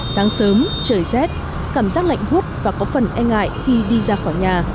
sáng sớm trời rét cảm giác lạnh hút và có phần e ngại khi đi ra khỏi nhà